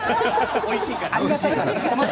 おいしいから。